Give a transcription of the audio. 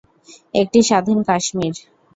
একটি স্বাধীন কাশ্মীর।